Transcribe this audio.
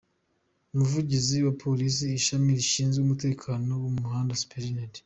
Umuvugizi wa Polisi, Ishami rishinzwe umutekano wo mu muhanda, Supt.